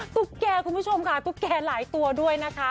ตุ๊กแก่คุณผู้ชมค่ะตุ๊กแก่หลายตัวด้วยนะคะ